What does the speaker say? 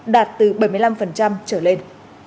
đạt từ bảy mươi năm trở lên